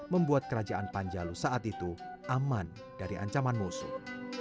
membuat kerajaan panjalu saat itu aman dari ancaman musuh